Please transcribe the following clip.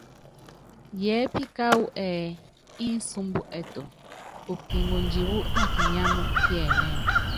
Yɛɛpí kááwu ɛ́ɛ́ ínsúmbɔ ɛtú, okiŋondi wú nakinyámú kiɛmɛ́ɛmɛ.